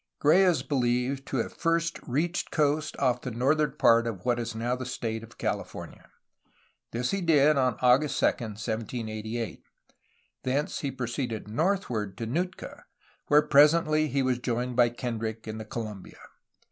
Gray is believed to have first reached coast off the northern part of what is now the state of California. This he did on August 2, 1788. Thence he proceeded northward to Nootka, where presently he was joined by Kendrick in the Columbia.